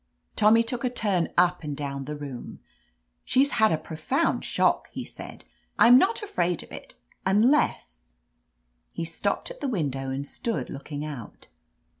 Tommy took a turn up and down the room. "She's had a profound shock," he said. "I'm not afraid of it, unless —" He stopped at the window and stood looking out.